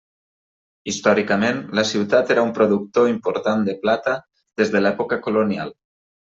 Històricament, la ciutat era un productor important de plata, des de l'època colonial.